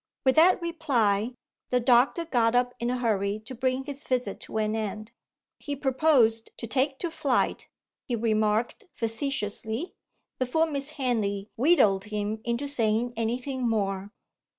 With that reply, the doctor got up in a hurry to bring his visit to an end. He proposed to take to flight, he remarked facetiously, before Miss Henley wheedled him into saying anything more.